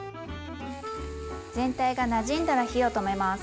全体がなじんだら火を止めます。